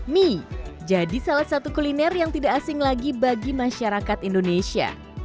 mie jadi salah satu kuliner yang tidak asing lagi bagi masyarakat indonesia